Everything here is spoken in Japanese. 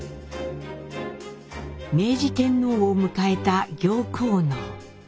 明治天皇を迎えた行幸能。